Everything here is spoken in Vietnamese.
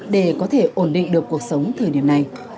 để có thể ổn định được cuộc sống thời điểm này